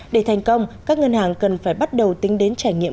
để thành công các ngân hàng cần phải bắt đầu tính đến trải nghiệm